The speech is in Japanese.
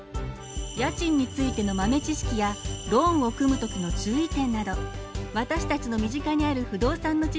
家賃についての豆知識やローンを組む時の注意点など私たちの身近にある不動産の知識が満載です。